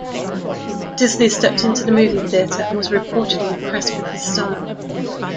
Disney stepped into the movie theater and was reportedly impressed with his style.